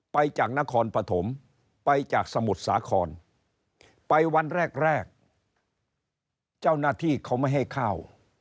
ไปจากนครปฐมไปจากสมุทรสาครไปวันแรกแรกเจ้าหน้าที่เขาไม่ให้ข้าว